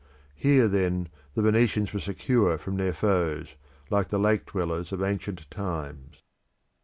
Here, then, the Venetians were secure from their foes, like the lake dwellers of ancient times.